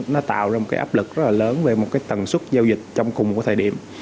nó tạo ra một cái áp lực rất là lớn về một cái tần suất giao dịch trong cùng một thời điểm